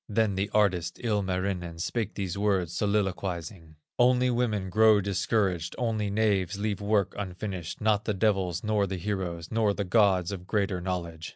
Then the artist, Ilmarinen. Spake these words, soliloquizing: "Only women grow discouraged, Only knaves leave work unfinished, Not the devils, nor the heroes, Nor the Gods of greater knowledge."